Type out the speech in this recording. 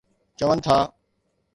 چون ٿا.